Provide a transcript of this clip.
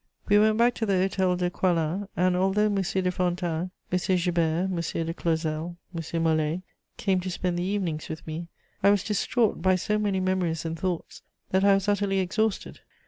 We went back to the Hôtel de Coislin, and although M. de Fontanes, M. Joubert, M. de Clausel, M. Molé came to spend the evenings with me, I was distraught by so many memories and thoughts that I was utterly exhausted.